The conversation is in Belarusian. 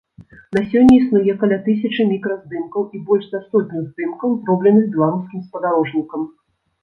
На сёння існуе каля тысячы мікраздымкаў і больш за сотню здымкаў, зробленых беларускім спадарожнікам.